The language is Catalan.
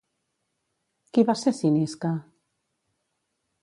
Qui va ser Cinisca?